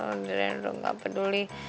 sendirian duduk gak peduli